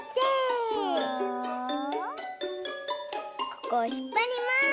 ここをひっぱります！